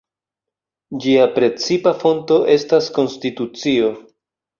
Ĝia precipa fonto estas konstitucio.